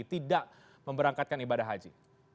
tidak memberangkatkan ibadah haji